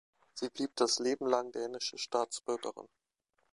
Sie blieb das Leben lang dänische Staatsbürgerin.